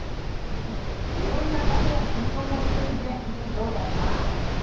いろんなたねやきゅうこんをみてみてどうだった？